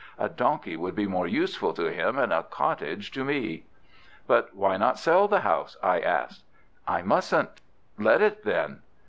A donkey would be more useful to him, and a cottage to me." "But why not sell the house?" I asked. "I mustn't." "Let it, then?"